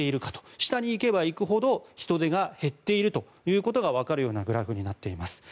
下に行けば行くほど人出が減っていることがわかるグラフになっています。